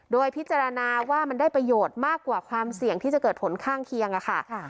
โดยพิจารณาว่ามันได้ประโยชน์มากกว่าความเสี่ยงที่จะเกิดผลข้างเคียงค่ะ